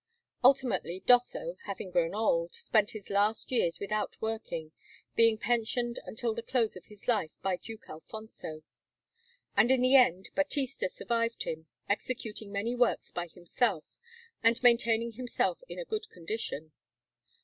Ultimately Dosso, having grown old, spent his last years without working, being pensioned until the close of his life by Duke Alfonso. And in the end Battista survived him, executing many works by himself, and maintaining himself in a good condition.